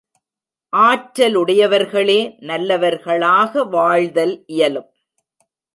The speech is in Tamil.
ஆற்றலுடையவர்களே நல்லவர்களாக வாழ்தல் இயலும்.